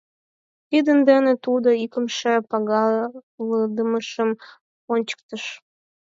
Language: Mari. Тидын дене тудо икымше пагалыдымашым ончыктыш.